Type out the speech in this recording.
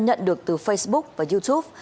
nhận được từ facebook và youtube